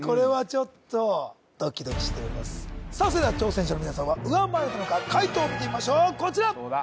それでは挑戦者の皆さんは上回れたのか解答を見てみましょうこちら・どうだ？